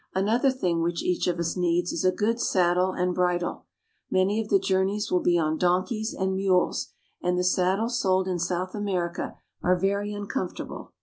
Another thing which each of us needs is a good saddle and bridle. Many of the journeys will be on donkeys and mules, and the saddles sold in South America are very uncomfortable.